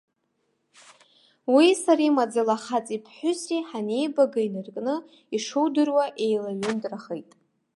Уии сареи маӡала хаҵеи ԥҳәысси ҳанеибага инаркны, ишудыруа, еилаҩынтрахеит.